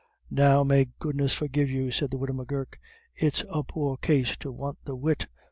"Now, may goodness forgive you," said the widow M'Gurk, "it's a poor case to want the wit.